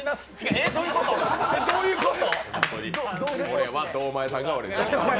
え、どういうこと？！